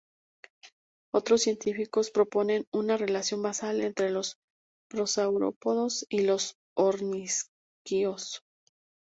Otros científicos proponen una relación basal entre los prosaurópodos y los ornitisquios.